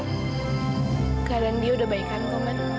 keadaan dia udah baik baik